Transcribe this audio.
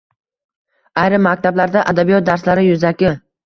Ayrim maktablarda adabiyot darslari yuzaki.